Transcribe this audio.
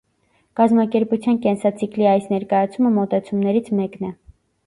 Կազմակերպության կենսացիկլի այս ներկայացումը մոտեցումներից մեկն է։